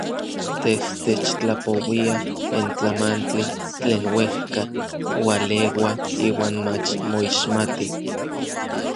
Tej techtlapouia n tlamantli tlen uejka ualeua iuan mach moixmati.